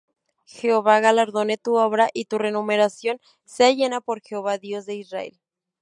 Jehová galardone tu obra, y tu remuneración sea llena por Jehová Dios de Israel.